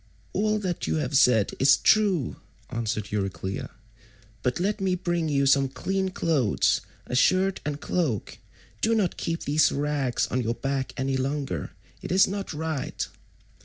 "All that you have said is true," answered Euryclea, "but let me bring you some clean clothes—a shirt and cloak. Do not keep these rags on your back any longer. It is not right."